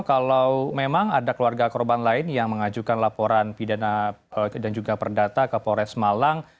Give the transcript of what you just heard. kalau memang ada keluarga korban lain yang mengajukan laporan pidana dan juga perdata ke polres malang